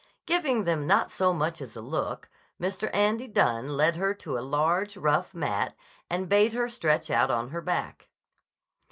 Giving them not so much as a look, Mr. Andy Dunne led her to a large, rough mat and bade her stretch out on her back.